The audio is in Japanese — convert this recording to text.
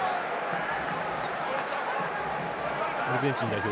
アルゼンチン代表